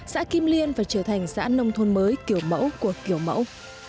xã kim liên phải trở thành xã nông thôn mới kiểu mẫu của kiểu mẫu